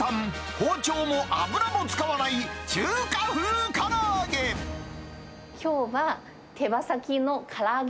包丁も油も使わない中華風から揚げ。